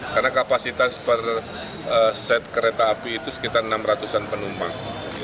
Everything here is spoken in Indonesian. karena kapasitas per set kereta api itu sekitar enam ratus an penumpang